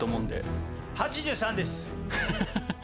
８３です。